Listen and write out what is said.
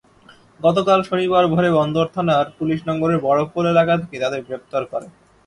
গতকাল শনিবার ভোরে বন্দর থানার পুলিশ নগরের বড়পোল এলাকা থেকে তাঁদের গ্রেপ্তার করে।